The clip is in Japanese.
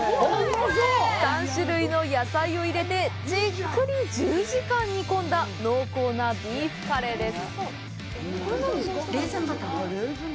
３種類の野菜を入れてじっくり１０時間煮込んだ濃厚なビーフカレーです